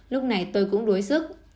lúc này tôi cũng đuối sức